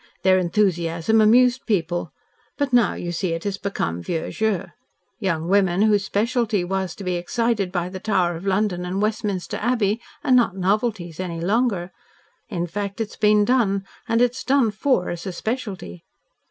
Their enthusiasm amused people, but now, you see, it has become vieux jeu. Young women, whose specialty was to be excited by the Tower of London and Westminster Abbey, are not novelties any longer. In fact, it's been done, and it's done FOR as a specialty.'